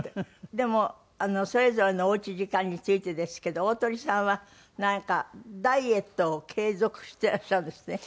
でもそれぞれのおうち時間についてですけど鳳さんはなんかダイエットを継続してらっしゃるんですってね。